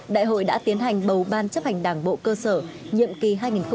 đại hội đã tiến hành bầu ban chấp hành đảng bộ cơ sở nhiệm kỳ hai nghìn hai mươi hai nghìn hai mươi năm